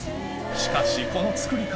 しかしこの作り方